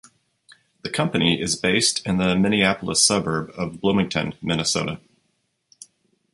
The company is based in the Minneapolis suburb of Bloomington, Minnesota.